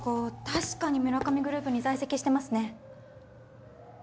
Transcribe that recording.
確かにムラカミグループに在籍してますね